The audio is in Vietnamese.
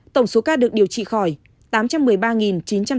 tổng số ca được điều trị khỏi tám trăm một mươi ba chín trăm sáu mươi ba